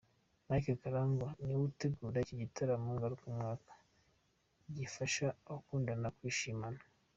Mike Karangwa niwe utegura iki gitaramo ngarukamwaka gifasha abakundana kwishimana.